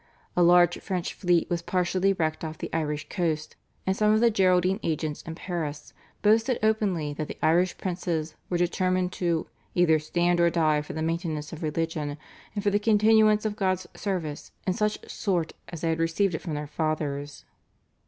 A large French fleet was partially wrecked off the Irish coast, and some of the Geraldine agents in Paris boasted openly that the Irish princes were determined to "either stand or die for the maintenance of religion and for the continuance of God's service in such sort as they had received it from their fathers."